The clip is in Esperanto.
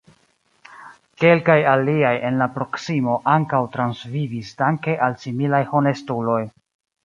Kelkaj aliaj en la proksimo ankaŭ transvivis danke al similaj honestuloj.